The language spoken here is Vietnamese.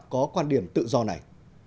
có quan điểm tự do này